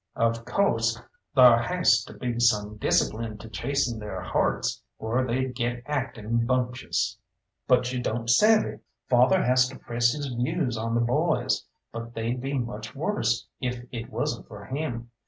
Of co'se thar has to be some discipline to chasten they'r hearts, or they'd get acting bumptious." "Humph!" "But you don't savvy. Father has to press his views on the boys, but they'd be much worse if it wasn't for him.